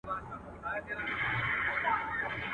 پخواني خلک خټو کې ډوډۍ پخوله.